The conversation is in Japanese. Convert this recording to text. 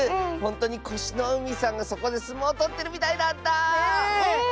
ほんとにこしのうみさんがそこですもうとってるみたいだった！